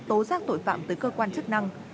tố giác tội phạm tới cơ quan chức năng